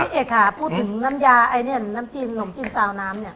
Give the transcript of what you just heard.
พี่เอกค่ะพูดถึงน้ำยาน้ำจีนขนมจีนซาวน้ำเนี่ย